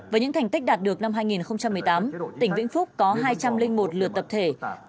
với những thành tích đạt được năm hai nghìn một mươi tám tỉnh vĩnh phúc có hai trăm linh một lượt tập thể